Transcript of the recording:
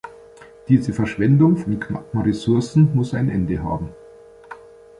Diese Verschwendung von knappen Ressourcen muss ein Ende haben.